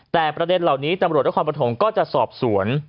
แต่ประเด็นเหล่านี้ตำรวจและความประถงก็จะสอบสวน